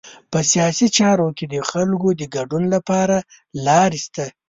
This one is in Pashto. په سیاسي چارو کې د خلکو د ګډون لپاره لارې شته.